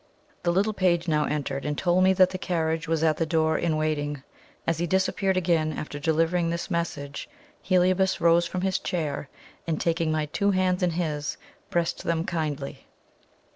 The little page now entered, and told me that the carriage was at the door in waiting. As he disappeared again after delivering this message, Heliobas rose from his chair, and taking my two hands in his, pressed them kindly.